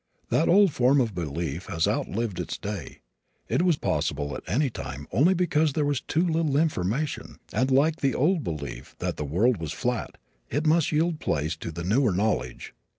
That old form of belief has outlived its day. It was possible at any time only because there was too little information and, like the old belief that the world was flat, it must yield place to the newer knowledge.